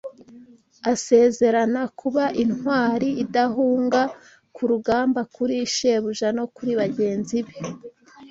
asezerana kuba intwari idahunga ku rugamba kuri shebuja no kuri bagenzi be